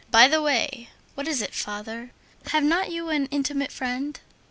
63 "By the way!" "What is it, father?" "Have not you an intimate friend?"